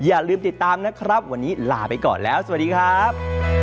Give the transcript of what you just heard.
อย่าลืมติดตามนะครับวันนี้ลาไปก่อนแล้วสวัสดีครับ